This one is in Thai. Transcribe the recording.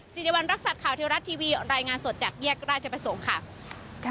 สิริวัณรักษัตริย์ข่าวเทวรัฐทีวีรายงานสดจากแยกราชประสงค์ค่ะ